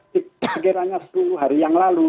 saya daftarkan semen kemarin seminggu yang lalu